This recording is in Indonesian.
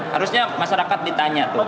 harusnya masyarakat ditanya tuh